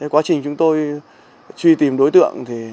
quá trình chúng tôi truy tìm đối tượng